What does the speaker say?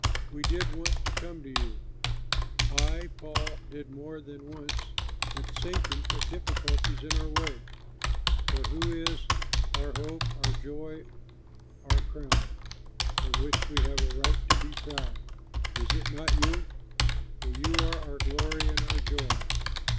We did want to come to you I, Paul, did more than once, but Satan put difficulties in our way. For who is "our hope, our joy, our crown" of which we have a right to be proud? Is it not you? For you are our glory and our joy!